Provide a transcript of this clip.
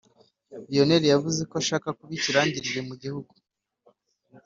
Lionel yavuzeko ashaka kuba ikirangirire mu gihugu